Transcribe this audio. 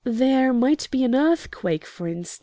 There might be an earthquake, for instance."